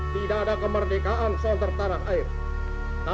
tidak ada kemerdekaan senter tanah air